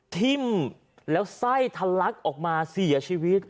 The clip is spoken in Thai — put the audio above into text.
ทิ้มแล้วไส้ทะลักออกมาเสียชีวิต